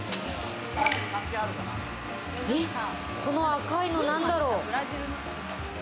この赤いの何だろう？